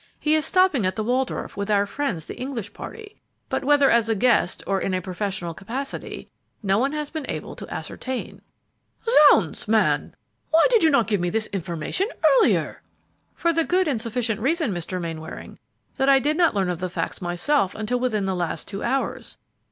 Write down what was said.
"He is stopping at the Waldorf, with our friends, the English party, but whether as a guest or in a professional capacity, no one has been able to ascertain." "Zounds, man! why did you not give me this information earlier?" "For the good and sufficient reason, Mr. Mainwaring, that I did not learn of the facts myself until within the last two hours.